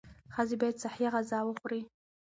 ښځې باید صحي غذا وخوري.